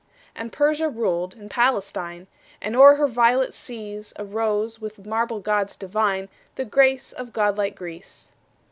And Persia ruled and Palestine; And o'er her violet seas Arose, with marble gods divine, The grace of god like Greece.